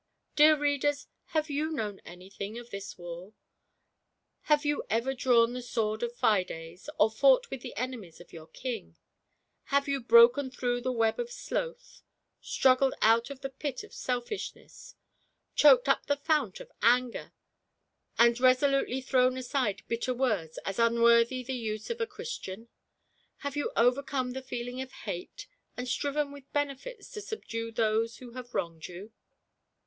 Dear readers, have you known anything of this War — have you ever drawn the sword of Fides, or fought with the enemies of your king 1 Have you broken through the web of Sloth, straggled out of the pit of Selfishness, choked up the fount of Anger, and resolutely thrown aside " bitter words " aa unworthy the use of a Chris tian? Have you overcome the feeling of Hate, and striven with Benefits to subdue those who have wronged you?